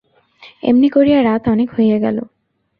এমনি করিয়া রাত অনেক হইয়া গেল।